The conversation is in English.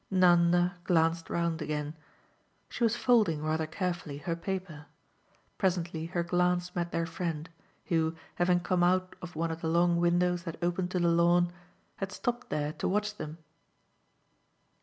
Nanda glanced round again she was folding, rather carefully, her paper. Presently her glance met their friend, who, having come out of one of the long windows that opened to the lawn, had stopped there to watch them.